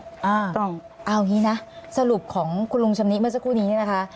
เอางี้นะสรุปของคุณลุงชำนิเมื่อสักครู่นี้เนี่ยนะคะ